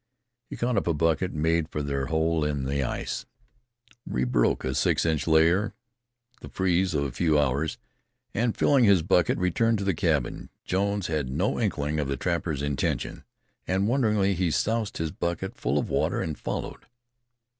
He caught up a bucket, made for their hole in the ice, rebroke a six inch layer, the freeze of a few hours, and filling his bucket, returned to the cabin. Jones had no inkling of the trapper's intention, and wonderingly he soused his bucket full of water and followed.